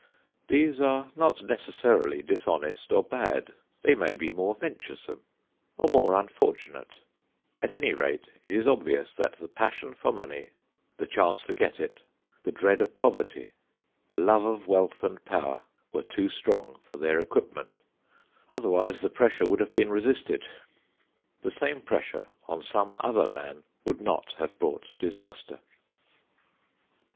These are not necessarily dishonest or bad. They may be more venturesome, or more unfortunate; at any rate, it is obvious that the passion for money, the chance to get it, the dread of poverty, the love of wealth and power were too strong for their equipment, otherwise the pressure would have been resisted. The same pressure on some other man would not have brought disaster.